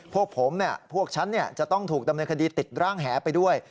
พวกผมพวกฉันจะต้องถูกดำเนินคดีติดร่างแหไปด้วย